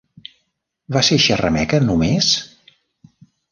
Va ser xerrameca només?